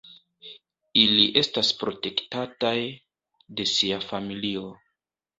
Ili estas protektaj de sia familio.